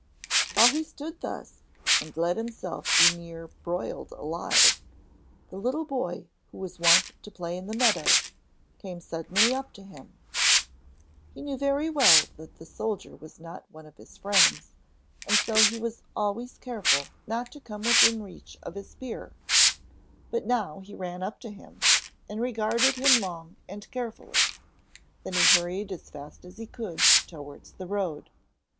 While he stood thus, and let himself be nearly broiled alive, the little boy who was wont to play in the meadow came suddenly up to him. He knew very well that the soldier was not one of his friends and so he was always careful not to come within reach of his spear; but now he ran up to him, and regarded him long and carefully; then he hurried as fast as he could towards the road.